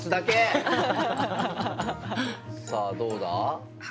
さあどうだ？